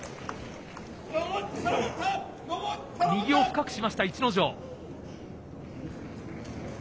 右を深くしました、逸ノ城。